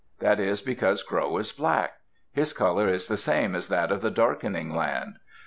That is because Crow is black; his color is the same as that of the Darkening Land.